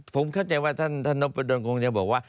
ผมเข้าใจว่าท่านนพดลคงจะบอกว่า